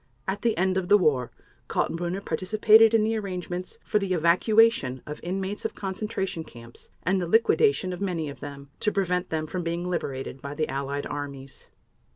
At the end of the war Kaltenbrunner participated in the arrangements for the evacuation of inmates of concentration camps, and the liquidation of many of them, to prevent them from being liberated by the Allied armies.